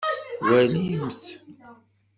Walimt.